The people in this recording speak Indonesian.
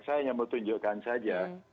saya hanya mau tunjukkan saja